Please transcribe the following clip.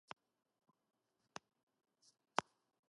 Occasionally, he has been seen dismissing them.